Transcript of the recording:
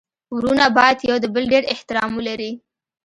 ورونه باید يو د بل ډير احترام ولري.